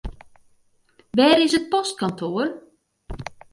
Wêr is it postkantoar?